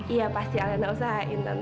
iya pasti alena usahain tante